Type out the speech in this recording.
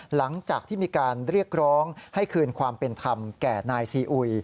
หลังจากที่มีการเรียกร้องให้คืนความเป็นธรรมแก่นายซีอุย